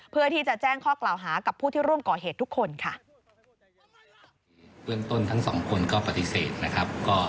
เพื่อที่จะแจ้งข้อกล่าวหากับผู้ที่ร่วมก่อเหตุทุกคนค่ะ